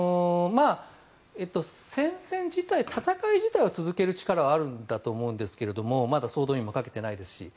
戦線自体、戦い自体は続ける力はあるんだと思いますがまだ総動員もかけてないですし。